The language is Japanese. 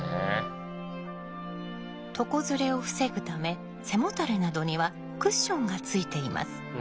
床ずれを防ぐため背もたれなどにはクッションがついています。